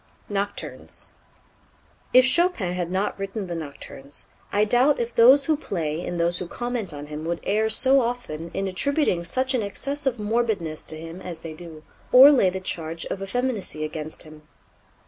Nocturnes. If Chopin had not written the Nocturnes I doubt if those who play and those who comment on him would err so often in attributing such an excess of morbidness to him as they do, or lay the charge of effeminacy against him.